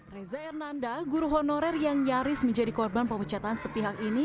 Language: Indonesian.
reza hernanda guru honorer yang nyaris menjadi korban pemecatan sepihak ini